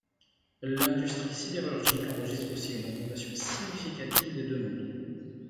L'industrie sidérurgique enregistre aussi une augmentation significative des demandes.